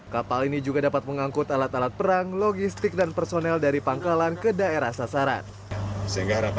kapal ini juga dapat mengangkut alat alat perang logistik dan personel dari pangkalan ke daerah sasaran